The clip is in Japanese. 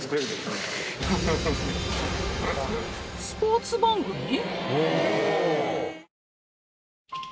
スポーツ番組？